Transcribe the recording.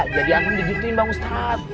jadi akan digituin bang ustadz